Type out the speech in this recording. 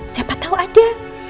siapa tau ada